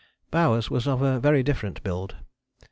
Bowers was of a very different build.